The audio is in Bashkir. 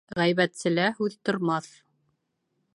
Ғәйбәтселә һүҙ тормаҫ.